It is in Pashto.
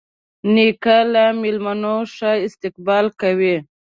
نیکه له میلمانه ښه استقبال کوي.